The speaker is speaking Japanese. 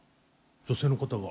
女性の方が。